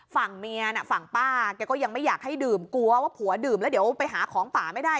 ฝั่งเมียน่ะฝั่งป้าแกก็ยังไม่อยากให้ดื่มกลัวว่าผัวดื่มแล้วเดี๋ยวไปหาของป่าไม่ได้